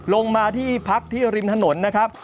ลงมาที่พักที่ริมถนนนะครับ